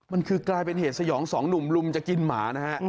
มันคือกลายเป็นเหตุสยองสองหนุ่มลุมจะกินหมานะฮะ